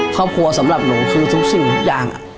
ครอบครัวสำหรับหนูคือทุกสิ่งทุกอย่าง